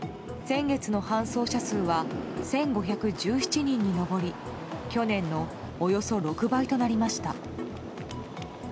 先月の搬送者数は１５１７人に上り去年のおよそ６倍となりました。